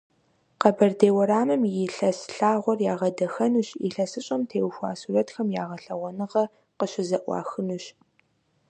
Къэбэрдей уэрамым и лъэс лъагъуэр ягъэдахэнущ, ИлъэсыщӀэм теухуа сурэтхэм я гъэлъэгъуэныгъэ къыщызэӀуахынущ.